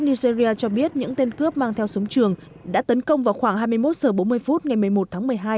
nigeria cho biết những tên cướp mang theo súng trường đã tấn công vào khoảng hai mươi một h bốn mươi phút ngày một mươi một tháng một mươi hai